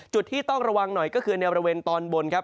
จุดที่ต้องระวังหน่อยก็คือในบริเวณตอนบนครับ